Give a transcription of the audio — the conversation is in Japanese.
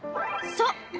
そう。